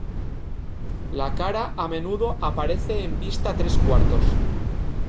La cara a menudo aparece en vista tres cuartos.